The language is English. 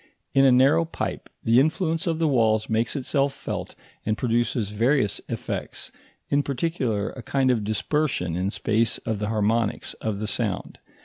In a narrow pipe the influence of the walls makes itself felt and produces various effects, in particular a kind of dispersion in space of the harmonics of the sound.